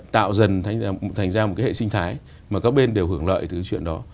tạo dần thành ra một cái hệ sinh thái mà các bên đều hưởng lợi từ cái chuyện đó